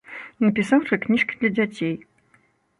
Напісаў тры кніжкі для дзяцей.